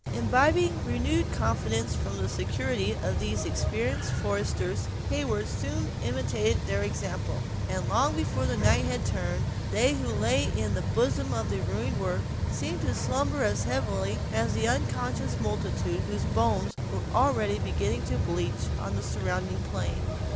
Imbibing renewed confidence from the security of these experienced foresters, Heyward soon imitated their example; and long before the night had turned, they who lay in the bosom of the ruined work, seemed to slumber as heavily as the unconscious multitude whose bones were already beginning to bleach on the surrounding plain.